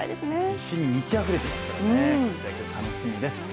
自信に満ちあふれていますからね、活躍が楽しみです。